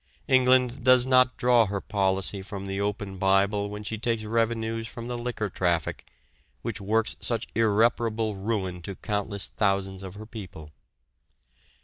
England does not draw her policy from the open Bible when she takes revenues from the liquor traffic, which works such irreparable ruin to countless thousands of her people.